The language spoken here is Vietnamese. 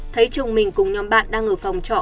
thấy chồng mình cùng nhóm bạn đang ở phòng trọ